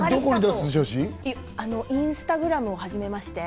インスタグラムを始めまして。